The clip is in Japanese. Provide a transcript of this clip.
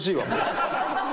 ハハハハ！